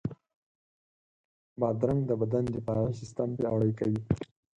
بادرنګ د بدن دفاعي سیستم پیاوړی کوي.